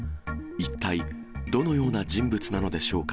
一体、どのような人物なのでしょうか。